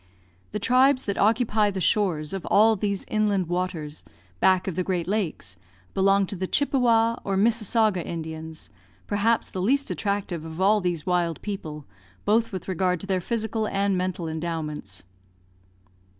The tribes that occupy the shores of all these inland waters, back of the great lakes, belong to the Chippewa or Missasagua Indians, perhaps the least attractive of all these wild people, both with regard to their physical and mental endowments.